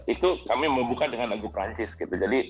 itu kami membuka dengan lagu perancis gitu